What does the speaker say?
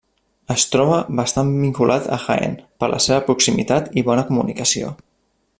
Es troba bastant vinculat a Jaén per la seva proximitat i bona comunicació.